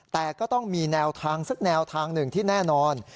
แต่ก็ต้องมีแนวทางสักแนวทางหนึ่งที่แน่นอน